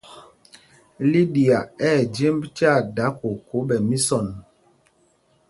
Liɗia ɛ̂ jemb tyaa dǎ koko ɓɛ misɔn.